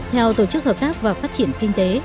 theo tổ chức hợp tác và phát triển kinh tế